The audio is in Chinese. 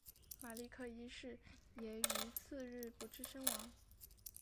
马立克一世也于次日不治身亡。